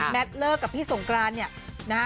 เลิกกับพี่สงกรานเนี่ยนะฮะ